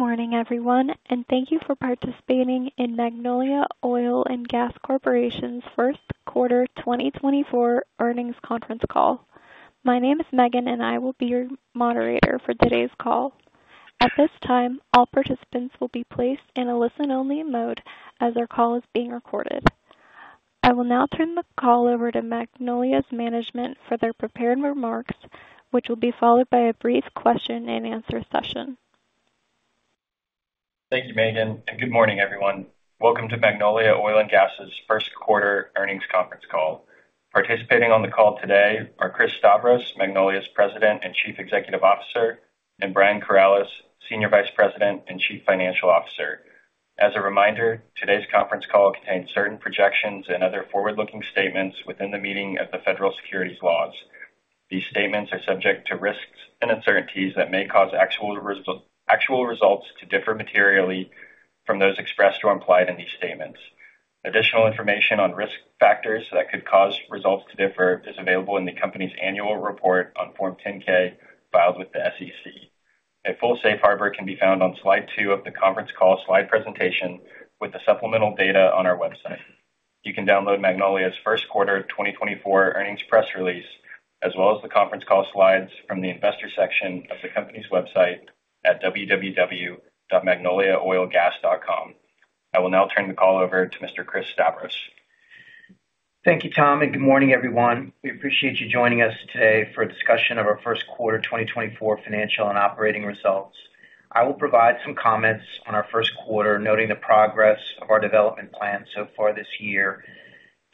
Good morning, everyone, and thank you for participating in Magnolia Oil & Gas Corporation's first quarter 2024 earnings conference call. My name is Megan, and I will be your moderator for today's call. At this time, all participants will be placed in a listen-only mode as our call is being recorded. I will now turn the call over to Magnolia's management for their prepared remarks, which will be followed by a brief question-and-answer session. Thank you, Megan, and good morning, everyone. Welcome to Magnolia Oil & Gas's first quarter earnings conference call. Participating on the call today are Chris Stavros, Magnolia's President and Chief Executive Officer, and Brian Corales, Senior Vice President and Chief Financial Officer. As a reminder, today's conference call contains certain projections and other forward-looking statements within the meaning of the federal securities laws. These statements are subject to risks and uncertainties that may cause actual results to differ materially from those expressed or implied in these statements. Additional information on risk factors that could cause results to differ is available in the company's annual report on Form 10-K filed with the SEC. A full safe harbor can be found on slide 2 of the conference call slide presentation with the supplemental data on our website. You can download Magnolia's first quarter 2024 earnings press release as well as the conference call slides from the investor section of the company's website at www.magnoliaoilgas.com. I will now turn the call over to Mr. Chris Stavros. Thank you, Tom, and good morning, everyone. We appreciate you joining us today for a discussion of our first quarter 2024 financial and operating results. I will provide some comments on our first quarter, noting the progress of our development plan so far this year,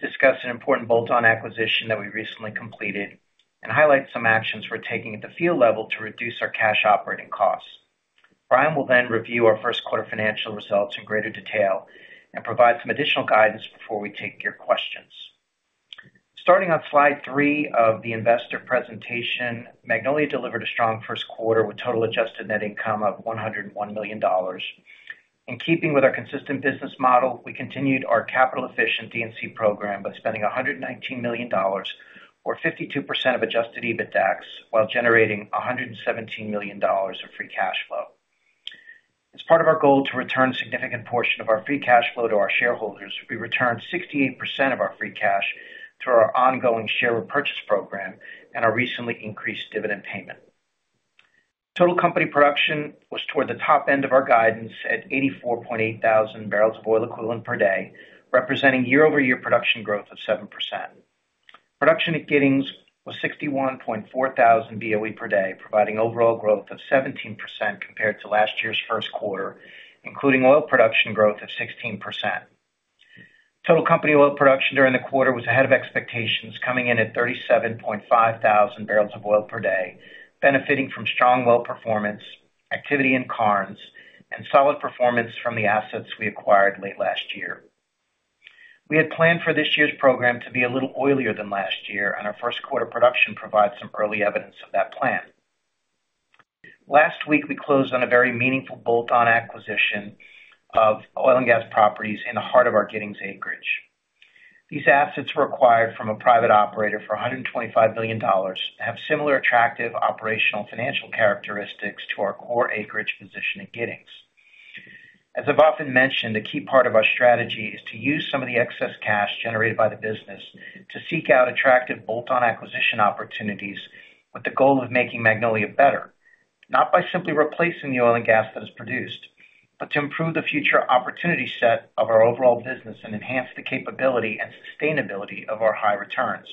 discuss an important bolt-on acquisition that we recently completed, and highlight some actions we're taking at the field level to reduce our cash operating costs. Brian will then review our first quarter financial results in greater detail and provide some additional guidance before we take your questions. Starting on slide 3 of the investor presentation, Magnolia delivered a strong first quarter with total adjusted net income of $101 million. In keeping with our consistent business model, we continued our capital-efficient D&C program by spending $119 million, or 52% of adjusted EBITDAx, while generating $117 million of free cash flow. As part of our goal to return a significant portion of our free cash flow to our shareholders, we returned 68% of our free cash through our ongoing share repurchase program and our recently increased dividend payment. Total company production was toward the top end of our guidance at 84,800 barrels of oil equivalent per day, representing year-over-year production growth of 7%. Production at Giddings was 61,400 BOE per day, providing overall growth of 17% compared to last year's first quarter, including oil production growth of 16%. Total company oil production during the quarter was ahead of expectations, coming in at 37,500 barrels of oil per day, benefiting from strong well performance, activity in Karnes, and solid performance from the assets we acquired late last year. We had planned for this year's program to be a little oilier than last year, and our first quarter production provides some early evidence of that plan. Last week, we closed on a very meaningful bolt-on acquisition of oil and gas properties in the heart of our Giddings acreage. These assets were acquired from a private operator for $125 million and have similar attractive operational financial characteristics to our core acreage position in Giddings. As I've often mentioned, a key part of our strategy is to use some of the excess cash generated by the business to seek out attractive bolt-on acquisition opportunities with the goal of making Magnolia better, not by simply replacing the oil and gas that is produced, but to improve the future opportunity set of our overall business and enhance the capability and sustainability of our high returns.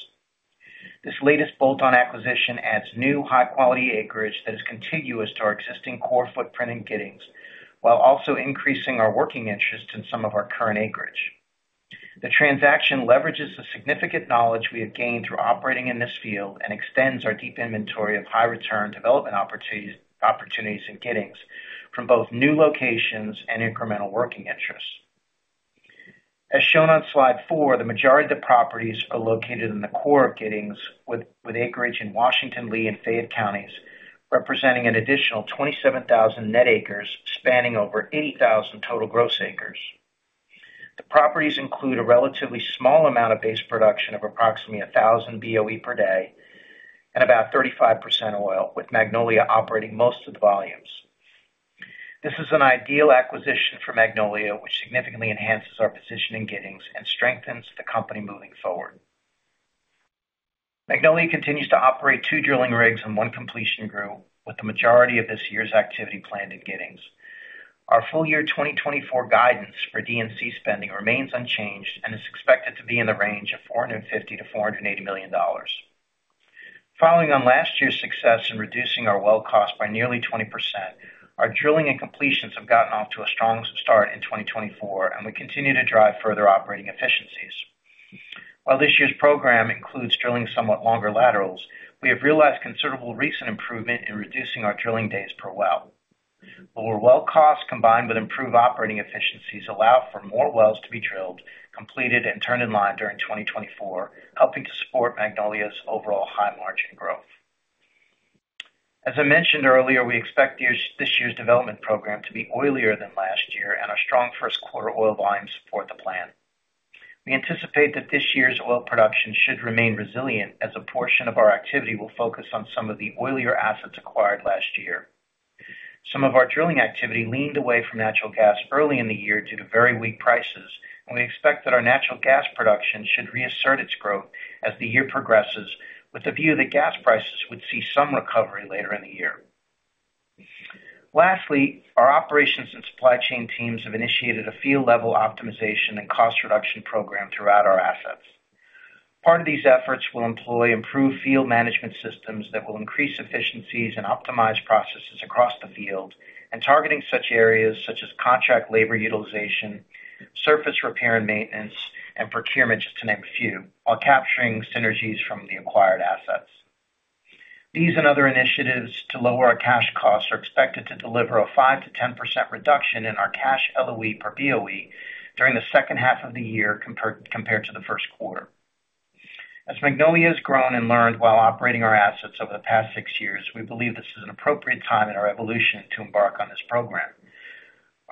This latest bolt-on acquisition adds new, high-quality acreage that is contiguous to our existing core footprint in Giddings while also increasing our working interest in some of our current acreage. The transaction leverages the significant knowledge we have gained through operating in this field and extends our deep inventory of high-return development opportunities in Giddings from both new locations and incremental working interest. As shown on slide 4, the majority of the properties are located in the core of Giddings, with acreage in Washington, Lee, and Fayette counties representing an additional 27,000 net acres spanning over 80,000 total gross acres. The properties include a relatively small amount of base production of approximately 1,000 BOE per day and about 35% oil, with Magnolia operating most of the volumes. This is an ideal acquisition for Magnolia, which significantly enhances our position in Giddings and strengthens the company moving forward. Magnolia continues to operate two drilling rigs and one completion group, with the majority of this year's activity planned in Giddings. Our full year 2024 guidance for D&C spending remains unchanged and is expected to be in the range of $450-$480 million. Following on last year's success in reducing our well cost by nearly 20%, our drilling and completions have gotten off to a strong start in 2024, and we continue to drive further operating efficiencies. While this year's program includes drilling somewhat longer laterals, we have realized considerable recent improvement in reducing our drilling days per well. Lower well costs combined with improved operating efficiencies allow for more wells to be drilled, completed, and turned in line during 2024, helping to support Magnolia's overall high-margin growth. As I mentioned earlier, we expect this year's development program to be oilier than last year, and our strong first quarter oil volumes support the plan. We anticipate that this year's oil production should remain resilient, as a portion of our activity will focus on some of the oilier assets acquired last year. Some of our drilling activity leaned away from natural gas early in the year due to very weak prices, and we expect that our natural gas production should reassert its growth as the year progresses, with the view that gas prices would see some recovery later in the year. Lastly, our operations and supply chain teams have initiated a field-level optimization and cost reduction program throughout our assets. Part of these efforts will employ improved field management systems that will increase efficiencies and optimize processes across the field, targeting such areas such as contract labor utilization, surface repair and maintenance, and procurement, just to name a few, while capturing synergies from the acquired assets. These and other initiatives to lower our cash costs are expected to deliver a 5%-10% reduction in our cash LOE per BOE during the second half of the year compared to the first quarter. As Magnolia has grown and learned while operating our assets over the past six years, we believe this is an appropriate time in our evolution to embark on this program.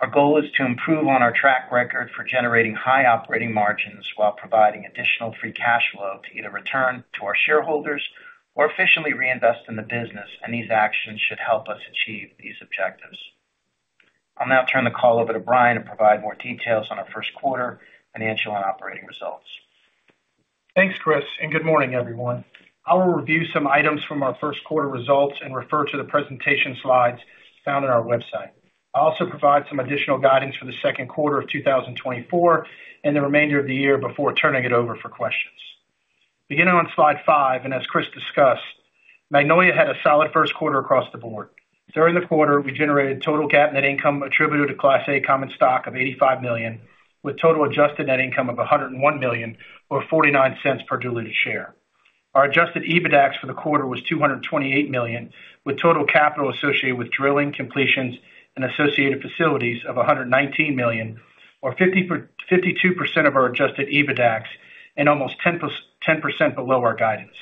Our goal is to improve on our track record for generating high operating margins while providing additional free cash flow to either return to our shareholders or efficiently reinvest in the business, and these actions should help us achieve these objectives. I'll now turn the call over to Brian to provide more details on our first quarter financial and operating results. Thanks, Chris, and good morning, everyone. I will review some items from our first quarter results and refer to the presentation slides found on our website. I'll also provide some additional guidance for the second quarter of 2024 and the remainder of the year before turning it over for questions. Beginning on slide 5, and as Chris discussed, Magnolia had a solid first quarter across the board. During the quarter, we generated total GAAP net income attributed to Class A common stock of $85 million, with total adjusted net income of $101 million, or $0.49 per diluted share. Our adjusted EBITDAx for the quarter was $228 million, with total capital associated with drilling, completions, and associated facilities of $119 million, or 52% of our adjusted EBITDAx and almost 10% below our guidance.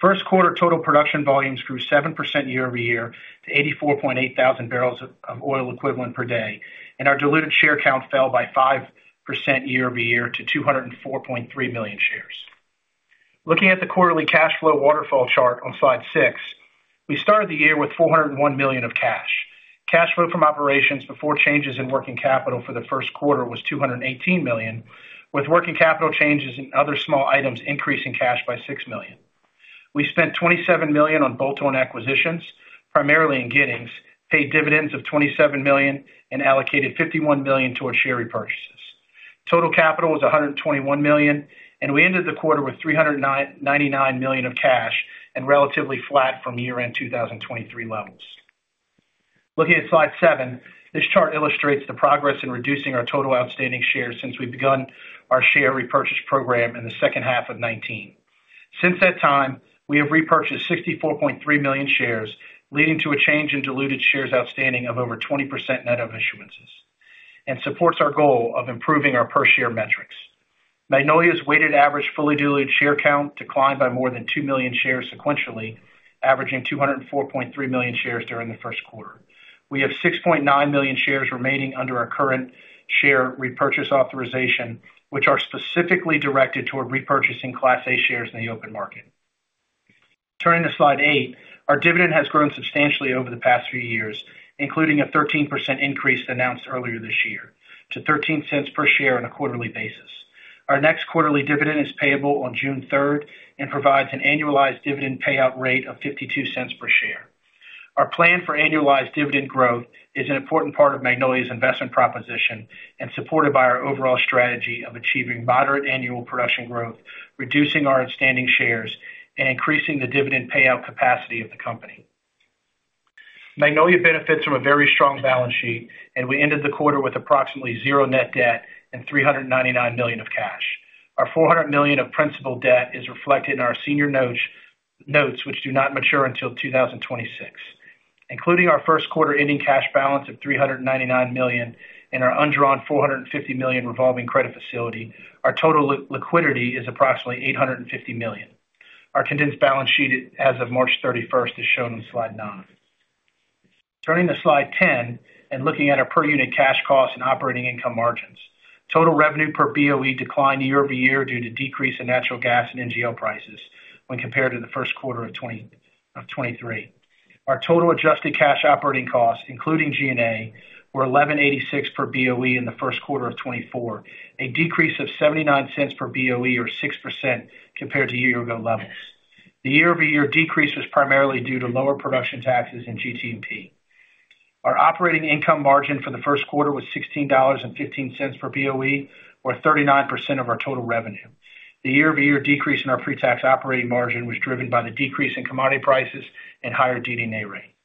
First quarter total production volumes grew 7% year-over-year to 84.8 thousand barrels of oil equivalent per day, and our diluted share count fell by 5% year-over-year to 204.3 million shares. Looking at the quarterly cash flow waterfall chart on slide 6, we started the year with $401 million of cash. Cash flow from operations before changes in working capital for the first quarter was $218 million, with working capital changes and other small items increasing cash by $6 million. We spent $27 million on bolt-on acquisitions, primarily in Giddings, paid dividends of $27 million, and allocated $51 million toward share repurchases. Total capital was $121 million, and we ended the quarter with $399 million of cash and relatively flat from year-end 2023 levels. Looking at slide 7, this chart illustrates the progress in reducing our total outstanding shares since we began our share repurchase program in the second half of 2019. Since that time, we have repurchased 64.3 million shares, leading to a change in diluted shares outstanding of over 20% net of issuances, and supports our goal of improving our per-share metrics. Magnolia's weighted average fully diluted share count declined by more than 2 million shares sequentially, averaging 204.3 million shares during the first quarter. We have 6.9 million shares remaining under our current share repurchase authorization, which are specifically directed toward repurchasing Class A shares in the open market. Turning to slide 8, our dividend has grown substantially over the past few years, including a 13% increase announced earlier this year to $0.13 per share on a quarterly basis. Our next quarterly dividend is payable on June 3rd and provides an annualized dividend payout rate of $0.52 per share. Our plan for annualized dividend growth is an important part of Magnolia's investment proposition and supported by our overall strategy of achieving moderate annual production growth, reducing our outstanding shares, and increasing the dividend payout capacity of the company. Magnolia benefits from a very strong balance sheet, and we ended the quarter with approximately zero net debt and $399 million of cash. Our $400 million of principal debt is reflected in our senior notes, which do not mature until 2026. Including our first quarter ending cash balance of $399 million and our undrawn $450 million revolving credit facility, our total liquidity is approximately $850 million. Our condensed balance sheet as of March 31st is shown on slide 9. Turning to slide 10 and looking at our per-unit cash costs and operating income margins. Total revenue per BOE declined year-over-year due to decrease in natural gas and NGL prices when compared to the first quarter of 2023. Our total adjusted cash operating costs, including G&A, were $11.86 per BOE in the first quarter of 2024, a decrease of $0.79 per BOE, or 6%, compared to year-ago levels. The year-over-year decrease was primarily due to lower production taxes and GT&P. Our operating income margin for the first quarter was $16.15 per BOE, or 39% of our total revenue. The year-over-year decrease in our pre-tax operating margin was driven by the decrease in commodity prices and higher D&A rate.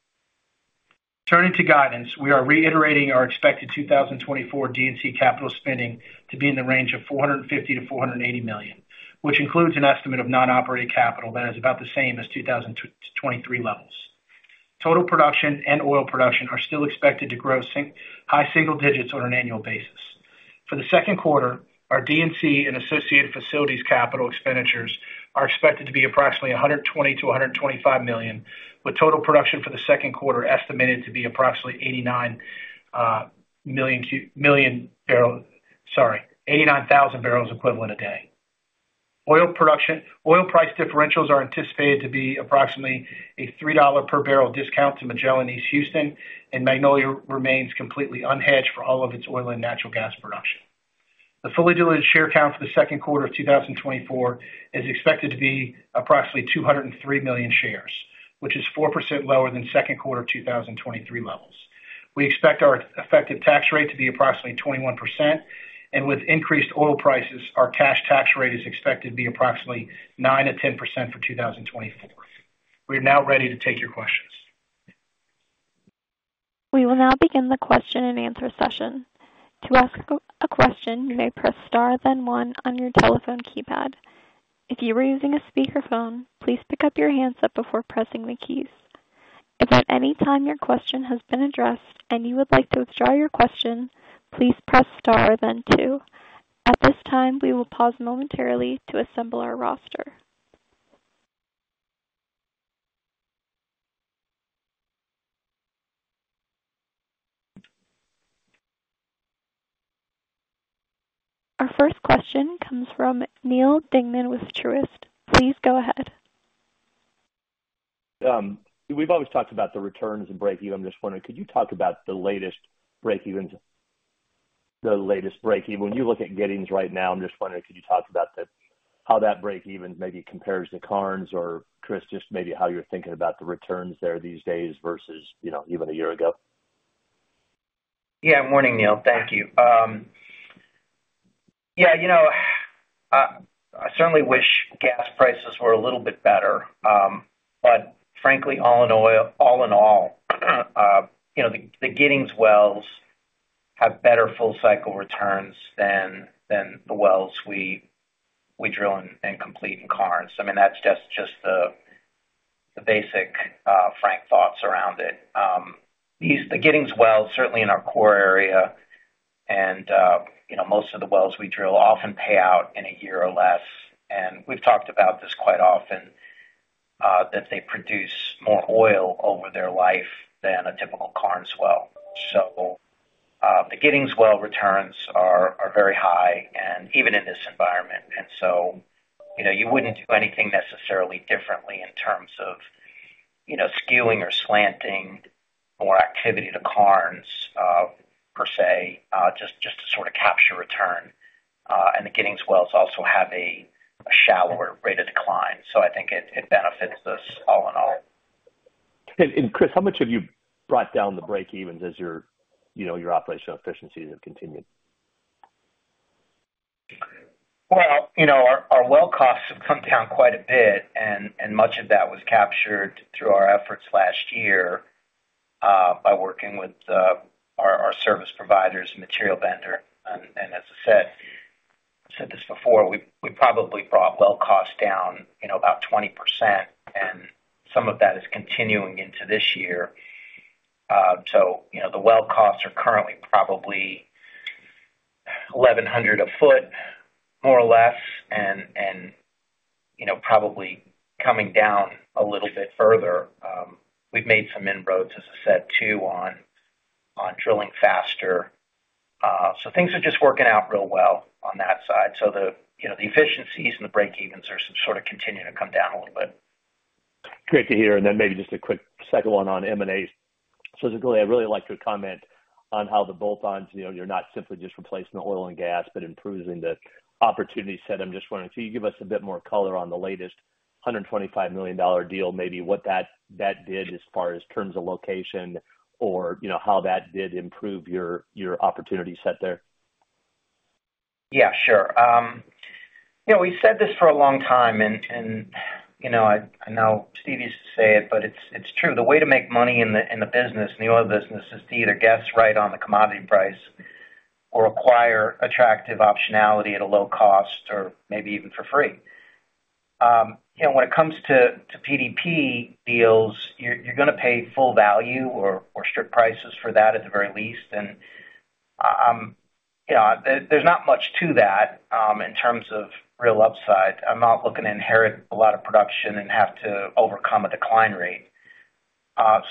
Turning to guidance, we are reiterating our expected 2024 D&C capital spending to be in the range of $450 million-$480 million, which includes an estimate of non-operating capital that is about the same as 2023 levels. Total production and oil production are still expected to grow high single digits on an annual basis. For the second quarter, our D&C and associated facilities capital expenditures are expected to be approximately $120 million-$125 million, with total production for the second quarter estimated to be approximately 89,000 barrels of oil equivalent a day. Oil price differentials are anticipated to be approximately a $3 per barrel discount to Magellan East Houston, and Magnolia remains completely unhedged for all of its oil and natural gas production. The fully diluted share count for the second quarter of 2024 is expected to be approximately 203 million shares, which is 4% lower than second quarter 2023 levels. We expect our effective tax rate to be approximately 21%, and with increased oil prices, our cash tax rate is expected to be approximately 9%-10% for 2024. We are now ready to take your questions. We will now begin the question and answer session. To ask a question, you may press star, then 1 on your telephone keypad. If you are using a speakerphone, please pick up your handset before pressing the keys. If at any time your question has been addressed and you would like to withdraw your question, please press star, then 2. At this time, we will pause momentarily to assemble our roster. Our first question comes from Neal Dingmann with Truist. Please go ahead. We've always talked about the returns and breakeven. I'm just wondering, could you talk about the latest breakevens? The latest breakeven. When you look at Giddings right now, I'm just wondering, could you talk about how that breakeven maybe compares to Karnes or, Chris, just maybe how you're thinking about the returns there these days versus even a year ago? Yeah. Morning, Neil. Thank you. Yeah. I certainly wish gas prices were a little bit better, but frankly, all in all, the Giddings wells have better full-cycle returns than the wells we drill and complete in Karnes. I mean, that's just the basic frank thoughts around it. The Giddings wells, certainly in our core area and most of the wells we drill, often pay out in a year or less. And we've talked about this quite often, that they produce more oil over their life than a typical Karnes well. So the Giddings well returns are very high, even in this environment. And so you wouldn't do anything necessarily differently in terms of skewing or slanting more activity to Karnes, per se, just to sort of capture return. And the Giddings wells also have a shallower rate of decline. So I think it benefits us all in all. Chris, how much have you brought down the breakevens as your operational efficiencies have continued? Well, our well costs have come down quite a bit, and much of that was captured through our efforts last year by working with our service providers, material vendor. And as I said this before, we probably brought well costs down about 20%, and some of that is continuing into this year. So the well costs are currently probably $1,100 a foot, more or less, and probably coming down a little bit further. We've made some inroads, as I said, too, on drilling faster. So things are just working out real well on that side. So the efficiencies and the breakevens are sort of continuing to come down a little bit. Great to hear. And then maybe just a quick second one on M&A. So I really like your comment on how the bolt-ons, you're not simply just replacing the oil and gas, but improving the opportunity set. I'm just wondering, can you give us a bit more color on the latest $125 million deal, maybe what that did as far as terms of location or how that did improve your opportunity set there? Yeah. Sure. We've said this for a long time, and I know Stevie used to say it, but it's true. The way to make money in the business, in the oil business, is to either guess right on the commodity price or acquire attractive optionality at a low cost or maybe even for free. When it comes to PDP deals, you're going to pay full value or strict prices for that at the very least. And there's not much to that in terms of real upside. I'm not looking to inherit a lot of production and have to overcome a decline rate.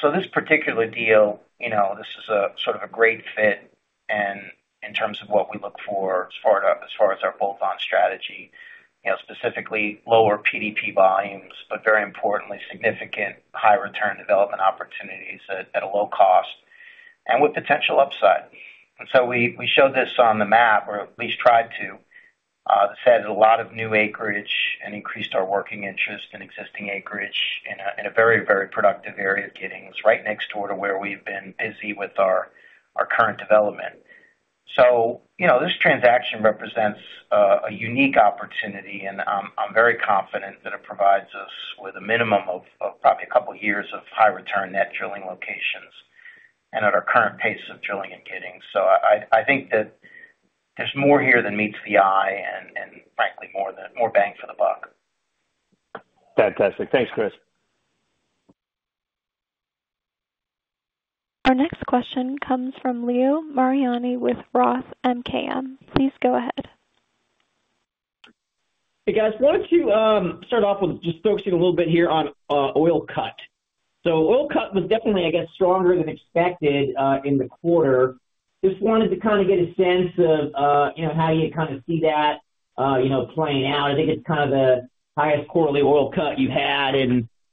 So this particular deal, this is sort of a great fit in terms of what we look for as far as our bolt-on strategy, specifically lower PDP volumes, but very importantly, significant high-return development opportunities at a low cost and with potential upside. We showed this on the map, or at least tried to, that said a lot of new acreage and increased our working interest in existing acreage in a very, very productive area of Giddings, right next door to where we've been busy with our current development. This transaction represents a unique opportunity, and I'm very confident that it provides us with a minimum of probably a couple of years of high-return net drilling locations and at our current pace of drilling in Giddings. I think that there's more here than meets the eye and, frankly, more bang for the buck. Fantastic. Thanks, Chris. Our next question comes from Leo Mariani with Roth MKM. Please go ahead. Hey, guys. Why don't you start off with just focusing a little bit here on oil cut? So oil cut was definitely, I guess, stronger than expected in the quarter. Just wanted to kind of get a sense of how you kind of see that playing out. I think it's kind of the highest quarterly oil cut you've had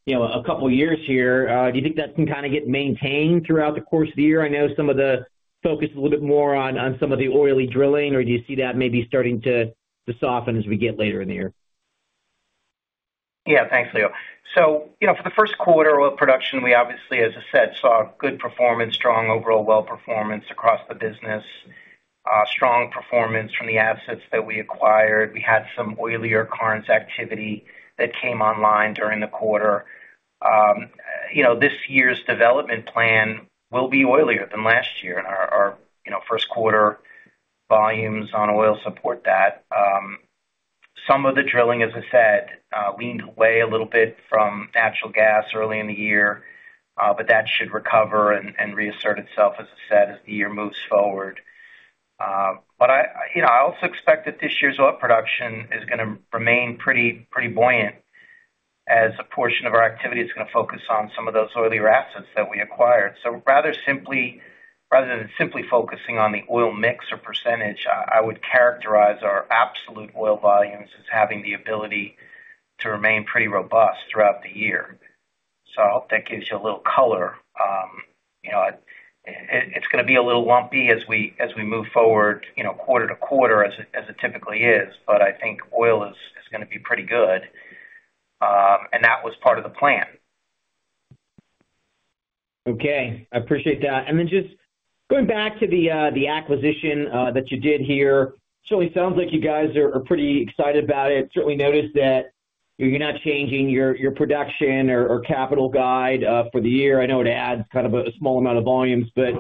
in a couple of years here. Do you think that can kind of get maintained throughout the course of the year? I know some of the focus is a little bit more on some of the oily drilling, or do you see that maybe starting to soften as we get later in the year? Yeah. Thanks, Leo. So for the first quarter of production, we obviously, as I said, saw good performance, strong overall well-performance across the business, strong performance from the assets that we acquired. We had some oilier Karnes activity that came online during the quarter. This year's development plan will be oilier than last year, and our first quarter volumes on oil support that. Some of the drilling, as I said, leaned away a little bit from natural gas early in the year, but that should recover and reassert itself, as I said, as the year moves forward. But I also expect that this year's oil production is going to remain pretty buoyant as a portion of our activity is going to focus on some of those oilier assets that we acquired. Rather than simply focusing on the oil mix or percentage, I would characterize our absolute oil volumes as having the ability to remain pretty robust throughout the year. I hope that gives you a little color. It's going to be a little lumpy as we move forward quarter to quarter, as it typically is, but I think oil is going to be pretty good, and that was part of the plan. Okay. I appreciate that. And then just going back to the acquisition that you did here, certainly sounds like you guys are pretty excited about it. Certainly noticed that you're not changing your production or capital guide for the year. I know it adds kind of a small amount of volumes, but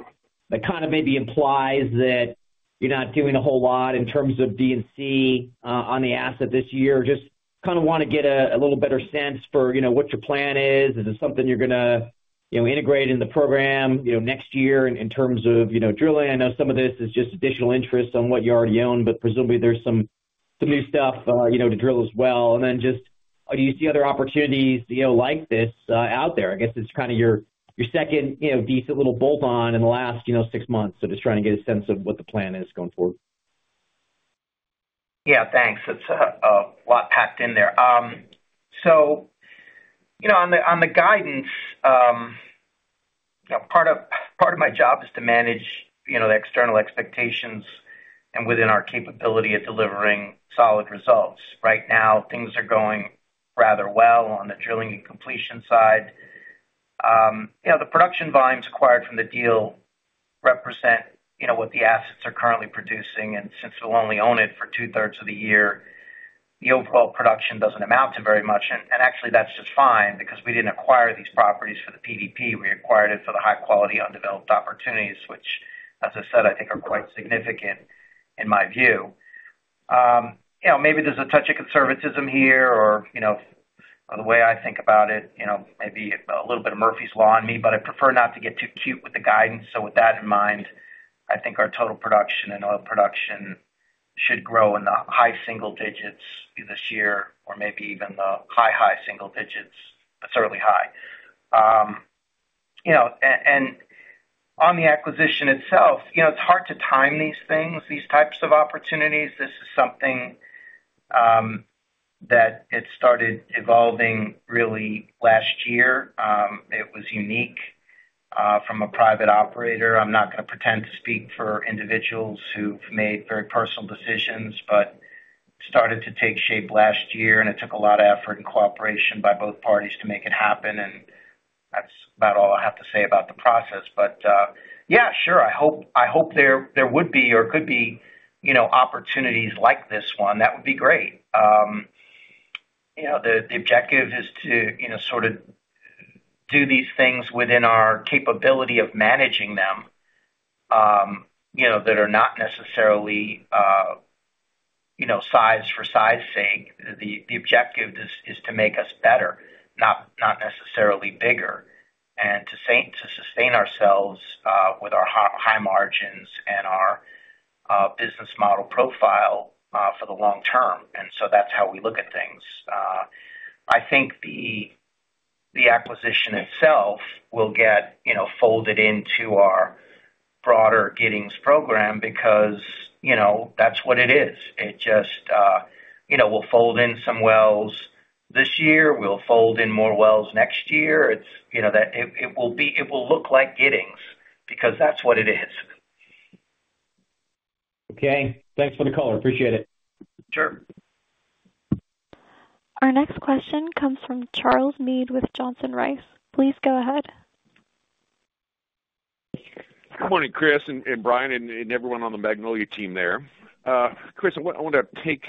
that kind of maybe implies that you're not doing a whole lot in terms of D&C on the asset this year. Just kind of want to get a little better sense for what your plan is. Is it something you're going to integrate in the program next year in terms of drilling? I know some of this is just additional interest on what you already own, but presumably, there's some new stuff to drill as well. And then just do you see other opportunities like this out there? I guess it's kind of your second decent little bolt-on in the last six months. So just trying to get a sense of what the plan is going forward. Yeah. Thanks. It's a lot packed in there. So on the guidance, part of my job is to manage the external expectations and within our capability of delivering solid results. Right now, things are going rather well on the drilling and completion side. The production volumes acquired from the deal represent what the assets are currently producing. And since we'll only own it for two-thirds of the year, the overall production doesn't amount to very much. And actually, that's just fine because we didn't acquire these properties for the PDP. We acquired it for the high-quality undeveloped opportunities, which, as I said, I think are quite significant in my view. Maybe there's a touch of conservatism here or the way I think about it, maybe a little bit of Murphy's Law on me, but I prefer not to get too cute with the guidance. So with that in mind, I think our total production and oil production should grow in the high single digits this year or maybe even the high, high single digits, but certainly high. On the acquisition itself, it's hard to time these things, these types of opportunities. This is something that it started evolving really last year. It was unique from a private operator. I'm not going to pretend to speak for individuals who've made very personal decisions, but it started to take shape last year, and it took a lot of effort and cooperation by both parties to make it happen. That's about all I have to say about the process. Yeah, sure. I hope there would be or could be opportunities like this one. That would be great. The objective is to sort of do these things within our capability of managing them that are not necessarily size for size sake. The objective is to make us better, not necessarily bigger, and to sustain ourselves with our high margins and our business model profile for the long term. And so that's how we look at things. I think the acquisition itself will get folded into our broader Giddings program because that's what it is. It just will fold in some wells this year. We'll fold in more wells next year. It will look like Giddings because that's what it is. Okay. Thanks for the call. I appreciate it. Sure. Our next question comes from Charles Meade with Johnson Rice. Please go ahead. Good morning, Chris and Brian and everyone on the Magnolia team there. Chris, I want to take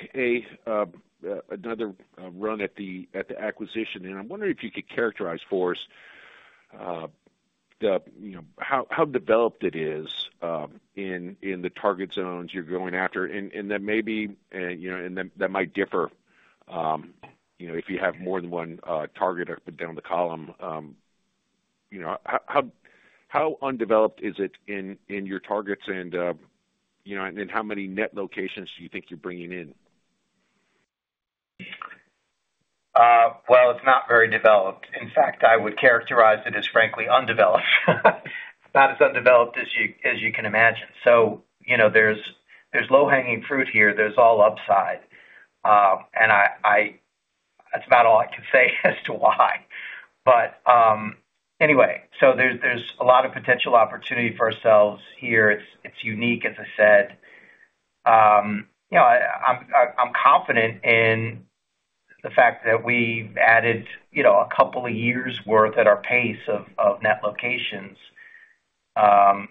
another run at the acquisition, and I'm wondering if you could characterize for us how developed it is in the target zones you're going after and that maybe and that might differ if you have more than one target up and down the column. How undeveloped is it in your targets, and then how many net locations do you think you're bringing in? Well, it's not very developed. In fact, I would characterize it as, frankly, undeveloped. It's not as undeveloped as you can imagine. There's low-hanging fruit here. There's all upside. That's about all I can say as to why. Anyway, there's a lot of potential opportunity for ourselves here. It's unique, as I said. I'm confident in the fact that we've added a couple of years' worth at our pace of net locations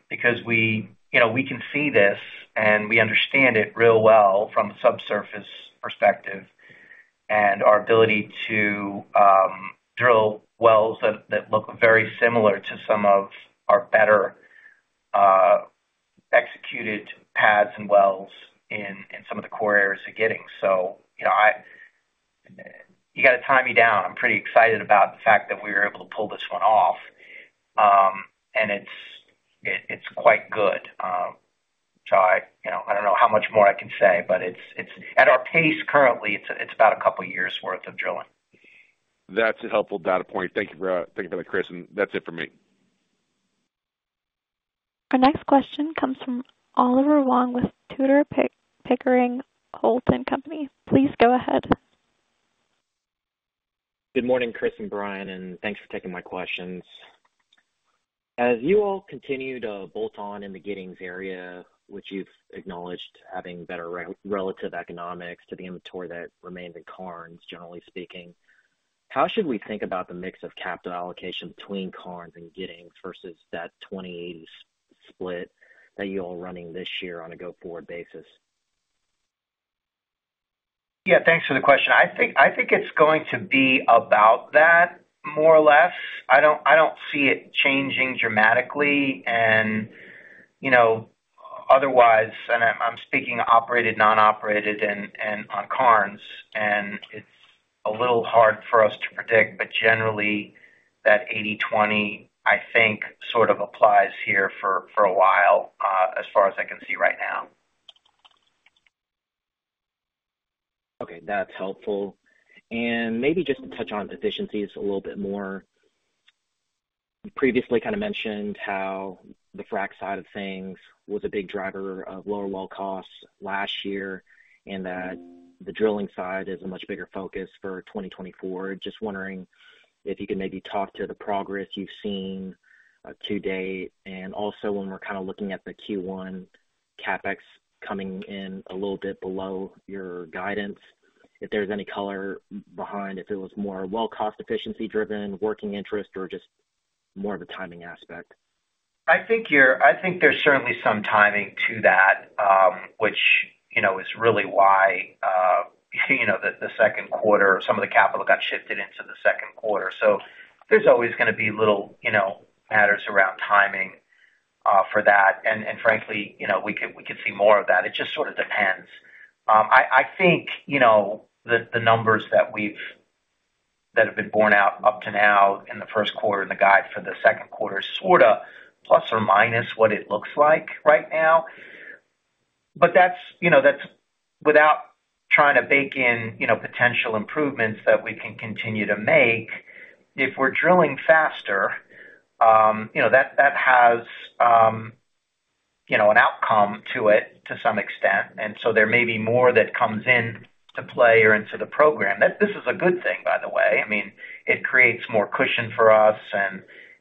because we can see this, and we understand it real well from a subsurface perspective and our ability to drill wells that look very similar to some of our better executed pads and wells in some of the core areas of Giddings. You got to time you down. I'm pretty excited about the fact that we were able to pull this one off, and it's quite good. I don't know how much more I can say, but at our pace currently, it's about a couple of years' worth of drilling. That's a helpful data point. Thank you for that, Chris. And that's it for me. Our next question comes from Oliver Huang with Tudor Pickering Holt & Co. Please go ahead. Good morning, Chris and Brian, and thanks for taking my questions. As you all continue to bolt-on in the Giddings area, which you've acknowledged having better relative economics to the inventory that remains in Karnes, generally speaking, how should we think about the mix of capital allocation between Karnes and Giddings versus that 20/80 split that you're all running this year on a go-forward basis? Yeah. Thanks for the question. I think it's going to be about that, more or less. I don't see it changing dramatically. And otherwise, and I'm speaking operated, non-operated, and on Karnes, and it's a little hard for us to predict, but generally, that 80/20, I think, sort of applies here for a while as far as I can see right now. Okay. That's helpful. And maybe just to touch on efficiencies a little bit more, you previously kind of mentioned how the frac side of things was a big driver of lower well costs last year and that the drilling side is a much bigger focus for 2024. Just wondering if you could maybe talk to the progress you've seen to date. And also, when we're kind of looking at the Q1 CapEx coming in a little bit below your guidance, if there's any color behind, if it was more well-cost efficiency-driven, working interest, or just more of a timing aspect. I think there's certainly some timing to that, which is really why the second quarter some of the capital got shifted into the second quarter. So there's always going to be little matters around timing for that. And frankly, we could see more of that. It just sort of depends. I think the numbers that have been borne out up to now in the first quarter and the guide for the second quarter is sort of plus or minus what it looks like right now. But that's without trying to bake in potential improvements that we can continue to make. If we're drilling faster, that has an outcome to it to some extent. And so there may be more that comes into play or into the program. This is a good thing, by the way. I mean, it creates more cushion for us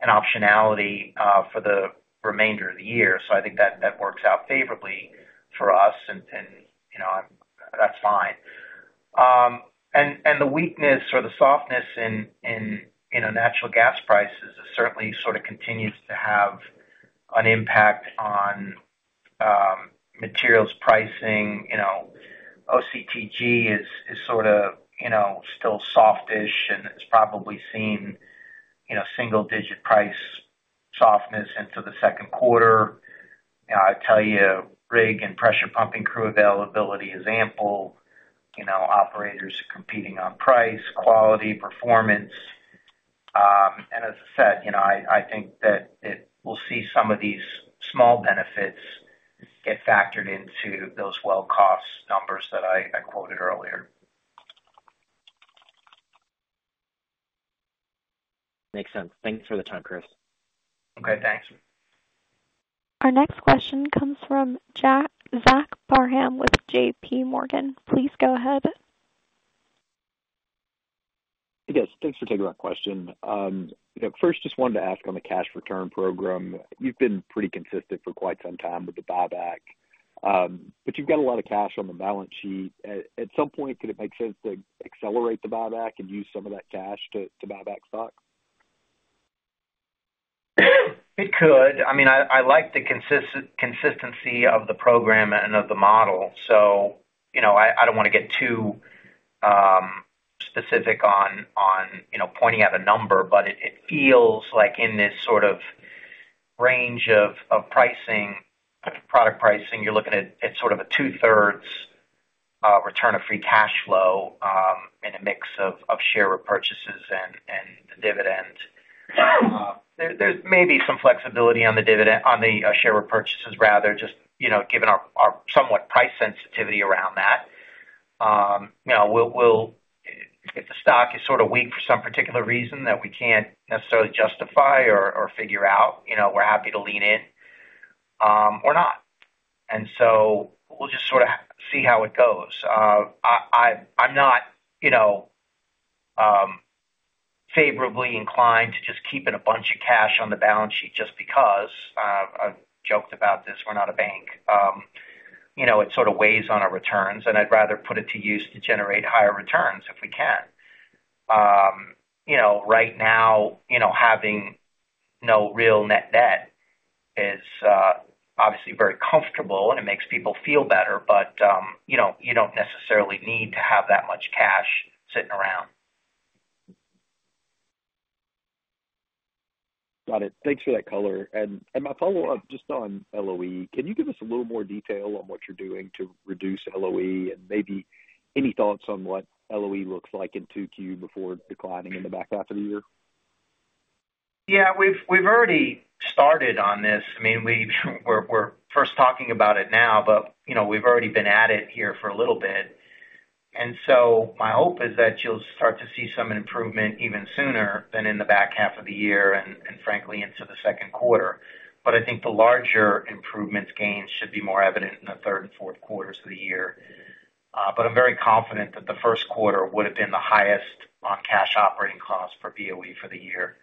and optionality for the remainder of the year. So I think that works out favorably for us, and that's fine. And the weakness or the softness in natural gas prices certainly sort of continues to have an impact on materials pricing. OCTG is sort of still softish, and it's probably seen single-digit price softness into the second quarter. I tell you, rig and pressure pumping crew availability is ample. Operators are competing on price, quality, performance. And as I said, I think that we'll see some of these small benefits get factored into those well-cost numbers that I quoted earlier. Makes sense. Thanks for the time, Chris. Okay. Thanks. Our next question comes from Zach Parham with J.P. Morgan. Please go ahead. Yes. Thanks for taking that question. First, just wanted to ask on the cash return program. You've been pretty consistent for quite some time with the buyback, but you've got a lot of cash on the balance sheet. At some point, could it make sense to accelerate the buyback and use some of that cash to buyback stocks? It could. I mean, I like the consistency of the program and of the model. So I don't want to get too specific on pointing out a number, but it feels like in this sort of range of product pricing, you're looking at sort of a 2/3 return of free cash flow and a mix of share repurchases and the dividend. There's maybe some flexibility on the share repurchases rather, just given our somewhat price sensitivity around that. If the stock is sort of weak for some particular reason that we can't necessarily justify or figure out, we're happy to lean in or not. And so we'll just sort of see how it goes. I'm not favorably inclined to just keeping a bunch of cash on the balance sheet just because I've joked about this. We're not a bank. It sort of weighs on our returns, and I'd rather put it to use to generate higher returns if we can. Right now, having no real net debt is obviously very comfortable, and it makes people feel better, but you don't necessarily need to have that much cash sitting around. Got it. Thanks for that color. My follow-up just on LOE, can you give us a little more detail on what you're doing to reduce LOE and maybe any thoughts on what LOE looks like in 2Q before declining in the back half of the year? Yeah. We've already started on this. I mean, we're first talking about it now, but we've already been at it here for a little bit. And so my hope is that you'll start to see some improvement even sooner than in the back half of the year and, frankly, into the second quarter. But I think the larger improvements gains should be more evident in the third and fourth quarters of the year. But I'm very confident that the first quarter would have been the highest on cash operating costs for BOE for the year.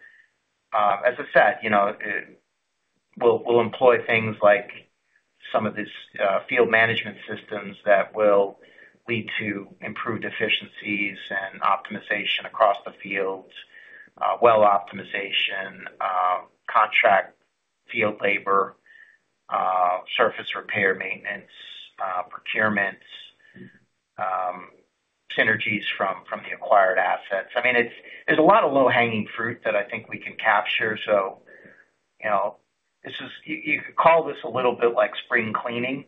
As I said, we'll employ things like some of these field management systems that will lead to improved efficiencies and optimization across the fields, well optimization, contract field labor, surface repair maintenance, procurements, synergies from the acquired assets. I mean, there's a lot of low-hanging fruit that I think we can capture. So you could call this a little bit like spring cleaning.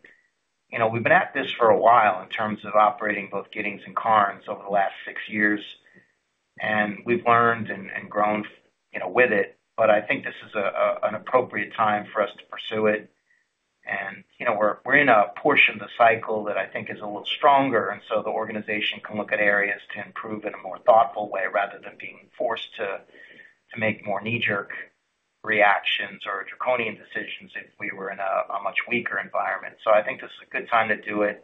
We've been at this for a while in terms of operating both Giddings and Karnes over the last six years, and we've learned and grown with it. But I think this is an appropriate time for us to pursue it. And we're in a portion of the cycle that I think is a little stronger, and so the organization can look at areas to improve in a more thoughtful way rather than being forced to make more knee-jerk reactions or draconian decisions if we were in a much weaker environment. So I think this is a good time to do it.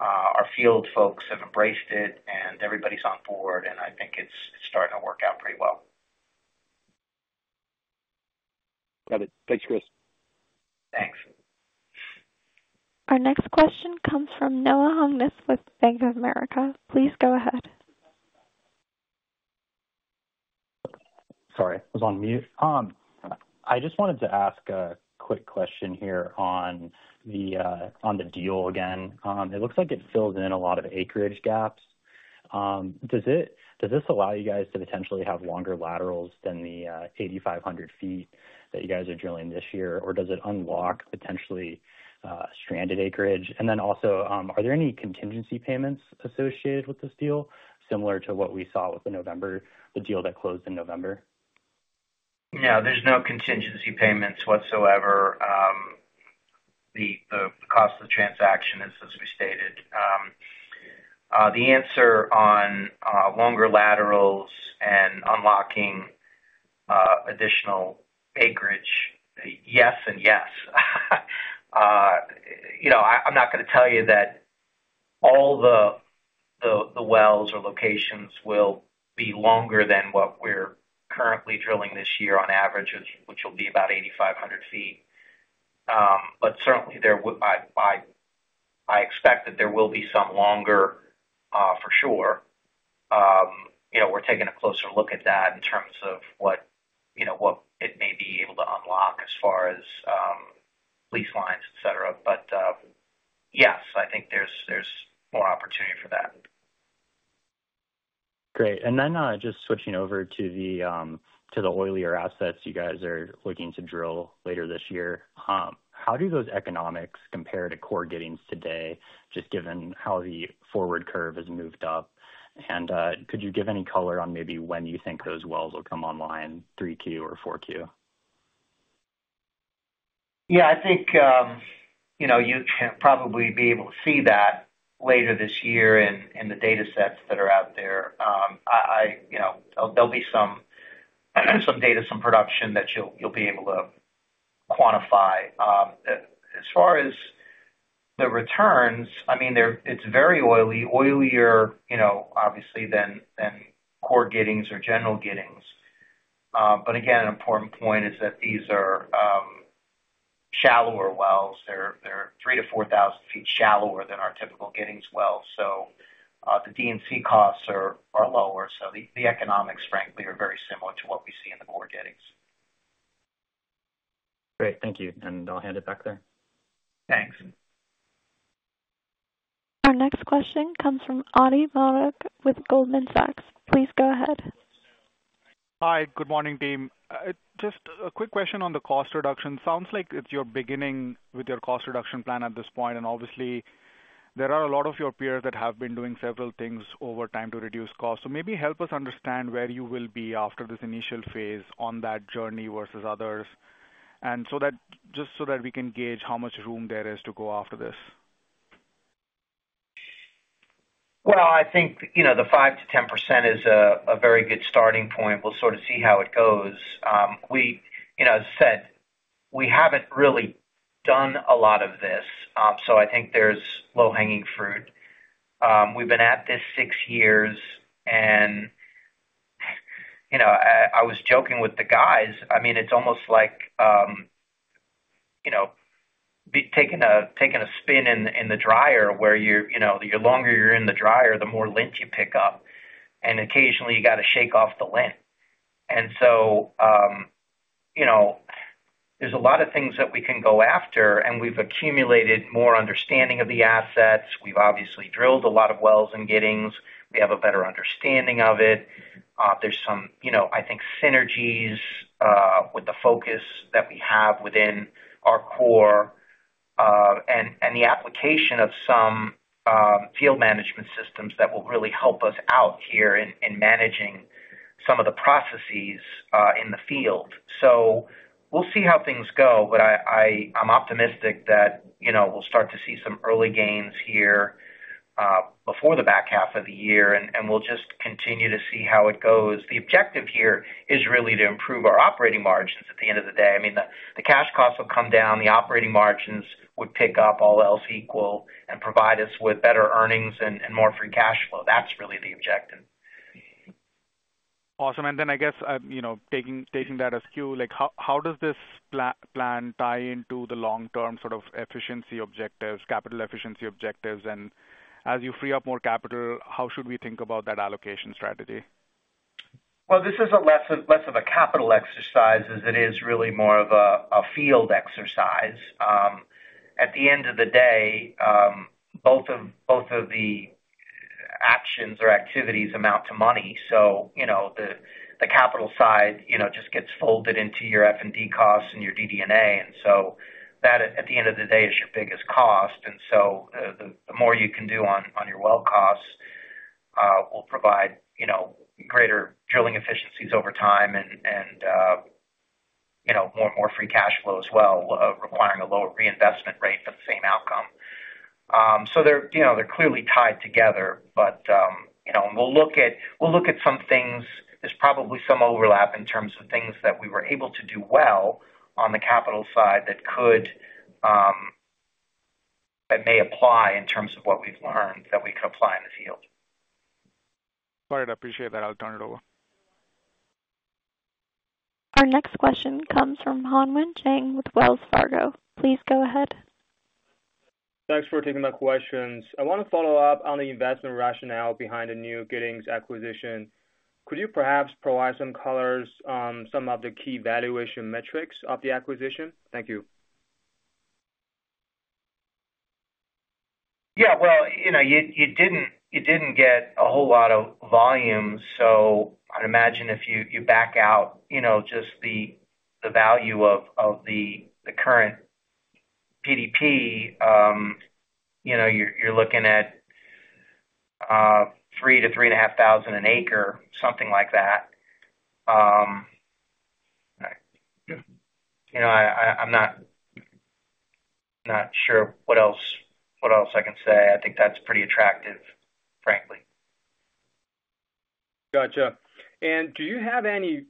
Our field folks have embraced it, and everybody's on board, and I think it's starting to work out pretty well. Got it. Thanks, Chris. Thanks. Our next question comes from Noah Hungness with Bank of America. Please go ahead. Sorry. I was on mute. I just wanted to ask a quick question here on the deal again. It looks like it fills in a lot of acreage gaps. Does this allow you guys to potentially have longer laterals than the 8,500 feet that you guys are drilling this year, or does it unlock potentially stranded acreage? And then also, are there any contingency payments associated with this deal similar to what we saw with the deal that closed in November? Yeah. There's no contingency payments whatsoever. The cost of the transaction is, as we stated. The answer on longer laterals and unlocking additional acreage, yes and yes. I'm not going to tell you that all the wells or locations will be longer than what we're currently drilling this year on average, which will be about 8,500 feet. But certainly, I expect that there will be some longer for sure. We're taking a closer look at that in terms of what it may be able to unlock as far as lease lines, etc. But yes, I think there's more opportunity for that. Great. And then just switching over to the oilier assets you guys are looking to drill later this year, how do those economics compare to core Giddings today, just given how the forward curve has moved up? And could you give any color on maybe when you think those wells will come online, 3Q or 4Q? Yeah. I think you can probably be able to see that later this year in the datasets that are out there. There'll be some data, some production that you'll be able to quantify. As far as the returns, I mean, it's very oily, oilier, obviously, than core Giddings or general Giddings. But again, an important point is that these are shallower wells. They're 3,000-4,000 feet shallower than our typical Giddings wells. So the D&C costs are lower. So the economics, frankly, are very similar to what we see in the core Giddings. Great. Thank you. And I'll hand it back there. Thanks. Our next question comes from Ati Modak with Goldman Sachs. Please go ahead. Hi. Good morning, team. Just a quick question on the cost reduction. Sounds like you're beginning with your cost reduction plan at this point. And obviously, there are a lot of your peers that have been doing several things over time to reduce costs. So maybe help us understand where you will be after this initial phase on that journey versus others, just so that we can gauge how much room there is to go after this. Well, I think the 5%-10% is a very good starting point. We'll sort of see how it goes. As I said, we haven't really done a lot of this, so I think there's low-hanging fruit. We've been at this 6 years. And I was joking with the guys. I mean, it's almost like taking a spin in the dryer where the longer you're in the dryer, the more lint you pick up. And occasionally, you got to shake off the lint. And so there's a lot of things that we can go after, and we've accumulated more understanding of the assets. We've obviously drilled a lot of wells in Giddings. We have a better understanding of it. There's some, I think, synergies with the focus that we have within our core and the application of some field management systems that will really help us out here in managing some of the processes in the field. So we'll see how things go, but I'm optimistic that we'll start to see some early gains here before the back half of the year, and we'll just continue to see how it goes. The objective here is really to improve our operating margins at the end of the day. I mean, the cash costs will come down. The operating margins would pick up, all else equal, and provide us with better earnings and more free cash flow. That's really the objective. Awesome. And then I guess taking that as Q, how does this plan tie into the long-term sort of efficiency objectives, capital efficiency objectives? And as you free up more capital, how should we think about that allocation strategy? Well, this is less of a capital exercise as it is really more of a field exercise. At the end of the day, both of the actions or activities amount to money. So the capital side just gets folded into your F&D costs and your DD&A. And so that, at the end of the day, is your biggest cost. And so the more you can do on your well costs will provide greater drilling efficiencies over time and more free cash flow as well, requiring a lower reinvestment rate for the same outcome. So they're clearly tied together. And we'll look at some things. There's probably some overlap in terms of things that we were able to do well on the capital side that may apply in terms of what we've learned that we could apply in the field. All right. I appreciate that. I'll turn it over. Our next question comes from Hanwen Chang with Wells Fargo. Please go ahead. Thanks for taking the questions. I want to follow up on the investment rationale behind the new Giddings acquisition. Could you perhaps provide some colors, some of the key valuation metrics of the acquisition? Thank you. Yeah. Well, you didn't get a whole lot of volume. So I'd imagine if you back out just the value of the current PDP, you're looking at $3,000-$3,500 an acre, something like that. I'm not sure what else I can say. I think that's pretty attractive, frankly. Gotcha. And do you have any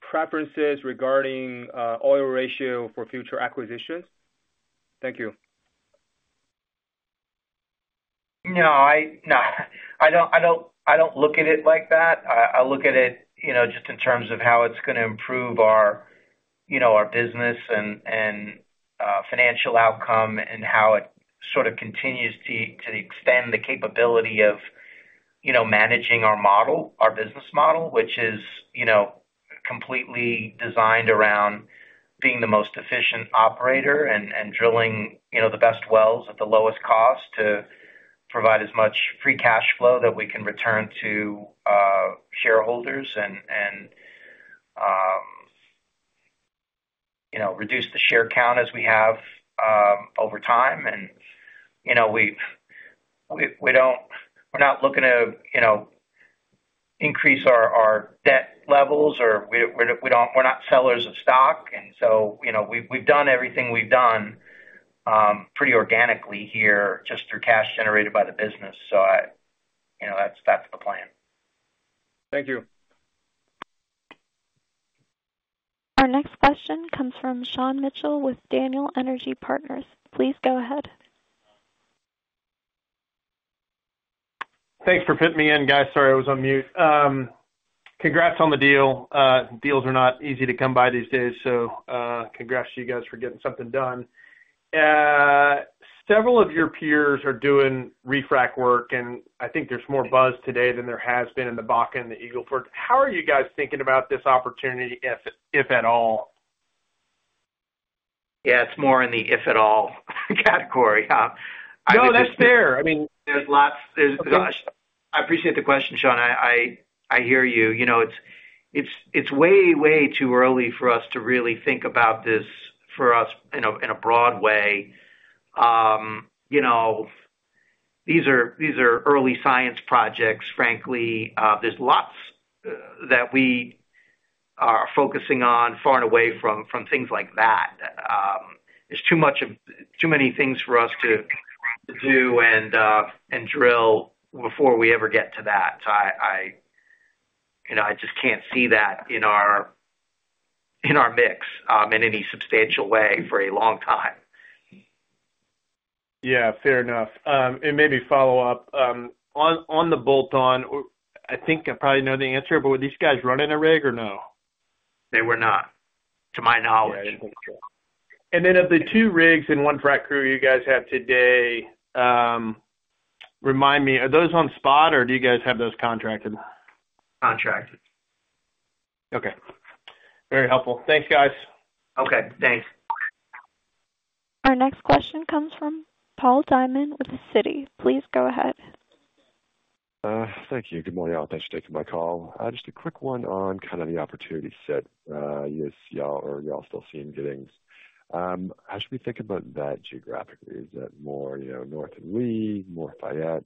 preferences regarding oil ratio for future acquisitions? Thank you. No. I don't look at it like that. I look at it just in terms of how it's going to improve our business and financial outcome and how it sort of continues to extend the capability of managing our business model, which is completely designed around being the most efficient operator and drilling the best wells at the lowest cost to provide as much free cash flow that we can return to shareholders and reduce the share count as we have over time. And we're not looking to increase our debt levels, or we're not sellers of stock. And so we've done everything we've done pretty organically here just through cash generated by the business. So that's the plan. Thank you. Our next question comes from Sean Mitchell with Daniel Energy Partners. Please go ahead. Thanks for putting me in, guys. Sorry, I was on mute. Congrats on the deal. Deals are not easy to come by these days, so congrats to you guys for getting something done. Several of your peers are doing refrac work, and I think there's more buzz today than there has been in the Bakken and the Eagle Ford. How are you guys thinking about this opportunity, if at all? Yeah. It's more in the if at all category. I mean. No, that's fair. I mean, there's lots. I appreciate the question, Sean. I hear you. It's way, way too early for us to really think about this for us in a broad way. These are early science projects, frankly. There's lots that we are focusing on far and away from things like that. There's too many things for us to do and drill before we ever get to that. So I just can't see that in our mix in any substantial way for a long time. Yeah. Fair enough. And maybe follow up. On the bolt-on, I think I probably know the answer, but were these guys running a rig or no? They were not, to my knowledge. Yeah. I think so. And then of the 2 rigs and 1 frac crew you guys have today, remind me, are those on spot, or do you guys have those contracted? Contracted. Okay. Very helpful. Thanks, guys. Okay. Thanks. Our next question comes from Paul Diamond with Citi. Please go ahead. Thank you. Good morning, y'all. Thanks for taking my call. Just a quick one on kind of the opportunity set. Yes, y'all are y'all still seeing Giddings. How should we think about that geographically? Is that more north of Lee, more Fayette,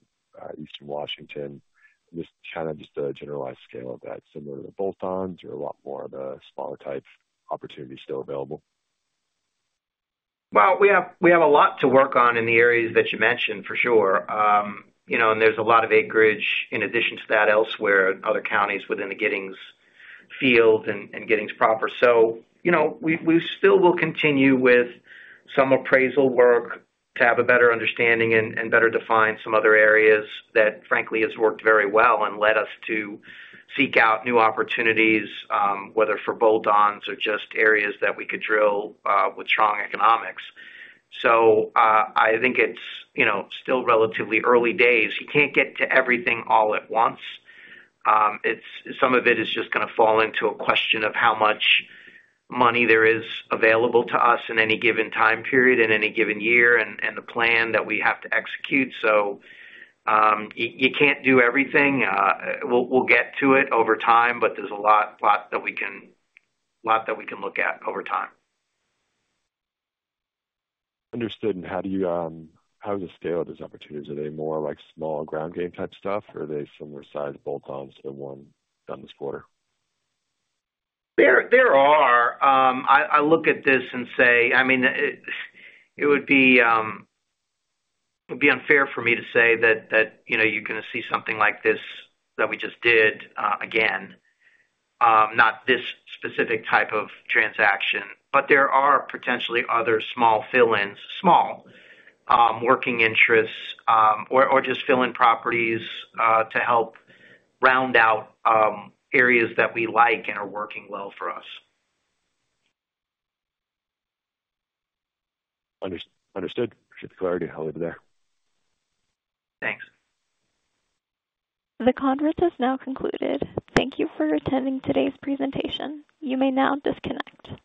eastern Washington? Just kind of a generalized scale of that, similar to the bolt-ons or a lot more of the smaller type opportunities still available? Well, we have a lot to work on in the areas that you mentioned, for sure. There's a lot of acreage in addition to that elsewhere in other counties within the Giddings field and Giddings proper. We still will continue with some appraisal work to have a better understanding and better define some other areas that, frankly, have worked very well and led us to seek out new opportunities, whether for bolt-ons or just areas that we could drill with strong economics. I think it's still relatively early days. You can't get to everything all at once. Some of it is just going to fall into a question of how much money there is available to us in any given time period, in any given year, and the plan that we have to execute. You can't do everything. We'll get to it over time, but there's a lot that we can look at over time. Understood. And how is the scale of these opportunities? Are they more like small ground game type stuff, or are they similar-sized bolt-ons to the one done this quarter? There are. I look at this and say, I mean, it would be unfair for me to say that you're going to see something like this that we just did again, not this specific type of transaction. But there are potentially other small fill-ins, small working interests, or just fill-in properties to help round out areas that we like and are working well for us. Understood. Appreciate the clarity. I'll leave it there. Thanks. The conference has now concluded. Thank you for attending today's presentation. You may now disconnect.